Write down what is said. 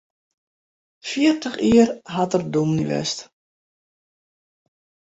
Fjirtich jier hat er dûmny west.